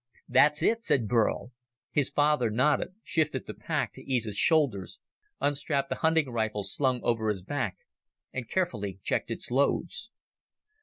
"That's it," said Burl. His father nodded, shifted the pack to ease his shoulders, unstrapped the hunting rifle slung over his back, and carefully checked its loads.